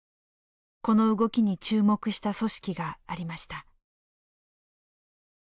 この動きに注目した組織がありました。